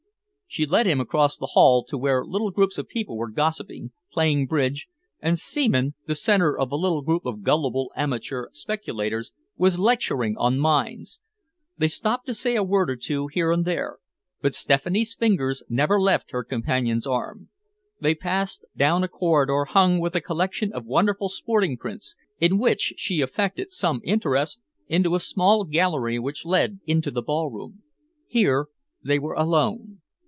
She led him across the hall to where little groups of people were gossiping, playing bridge, and Seaman, the center of a little group of gullible amateur speculators, was lecturing on mines. They stopped to say a word or two here and there, but Stephanie's fingers never left her companion's arm. They passed down a corridor hung with a collection of wonderful sporting prints in which she affected some interest, into a small gallery which led into the ballroom. Here they were alone.